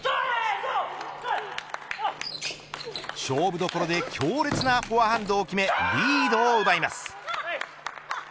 勝負どころで強烈なフォアハンドを決めリードを奪います。